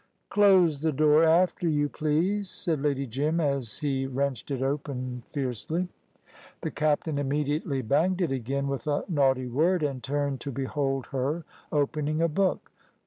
"Close the door after you, please," said Lady Jim, as he wrenched it open fiercely. The captain immediately banged it again with a naughty word, and turned to behold her opening a book.